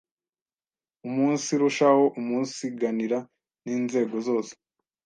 umunsirushaho umunsiganira n’inzego zose